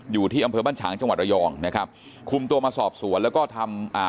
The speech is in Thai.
อยู่ที่อำเภอบ้านฉางจังหวัดระยองนะครับคุมตัวมาสอบสวนแล้วก็ทำอ่า